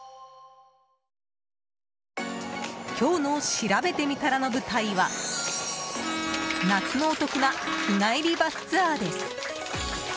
今日のしらべてみたらの舞台は夏のお得な日帰りバスツアーです。